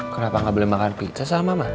kenapa nggak boleh makan pizza sama mama